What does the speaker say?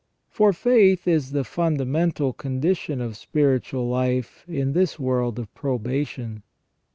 For faith is the fundamental condition of spiritual life in this world of probation.